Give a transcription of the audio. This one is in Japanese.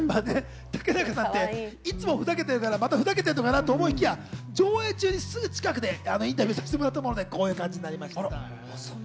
竹中さんって、いつもふざけてるから、またふざけてるのかなと思いきや、上映中、すぐ近くでインタビューさせてもらったので、こんな感じになりました。